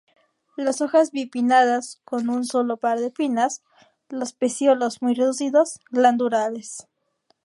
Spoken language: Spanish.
Las hojas bipinnadas, con un solo par de pinnas; los pecíolos muy reducidos, glandulares.